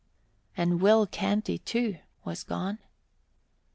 And Will Canty, too, was gone!